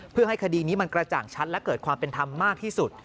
เพื่อให้คดีนี้มันกระจ่างชัดและเกิดความเป็นธรรมมากที่สุด